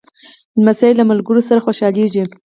لمسی له ملګرو سره خوشحالېږي.